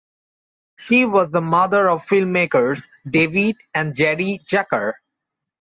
She was the mother of filmmakers David and Jerry Zucker.